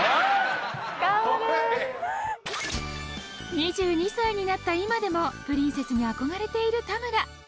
２２歳になった今でもプリンセスに憧れている田村。